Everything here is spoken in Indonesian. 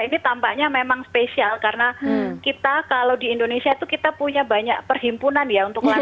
ini tampaknya memang spesial karena kita kalau di indonesia itu kita punya banyak perhimpunan ya untuk lansi